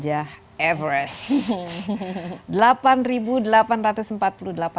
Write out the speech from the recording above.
yang terakhir tentu saja everest